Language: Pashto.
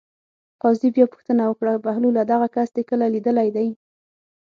قاضي بیا پوښتنه وکړه: بهلوله دغه کس دې کله لیدلی دی.